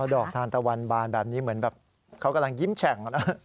ดอกทานตะวันบานแบบนี้เหมือนแบบเขากำลังยิ้มแฉ่ง